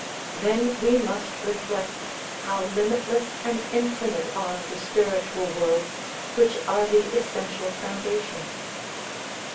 Then we must reflect how limitless and infinite are the spiritual worlds, which are the essential foundation.